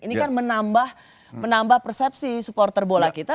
ini kan menambah persepsi supporter bola kita